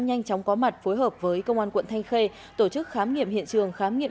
nhanh chóng có mặt phối hợp với công an quận thanh khê tổ chức khám nghiệm hiện trường khám nghiệm